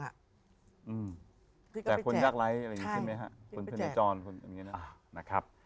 จากคนยากไร้อะไรอย่างนี้ใช่ไหมครับ